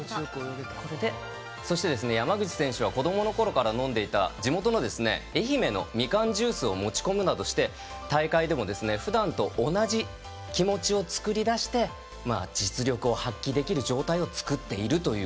そして山口選手は子どものころから飲んでいた地元の愛媛のみかんジュースを持ち込むなどして、大会でもふだんと同じ気持ちを作り出して実力を発揮できる状態を作っているという。